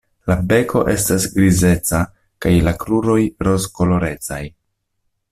La beko estas grizeca kaj la kruroj rozkolorecaj.